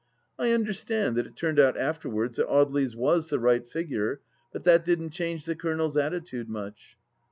I understand that it turned out after wards that Audely's was the right figure, but that didn't change the Colonel's attitude much.